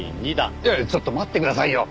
いやいやちょっと待ってくださいよ！